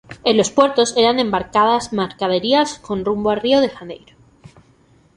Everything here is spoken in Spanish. En los puertos eran embarcadas mercaderías con rumbo a Río de Janeiro.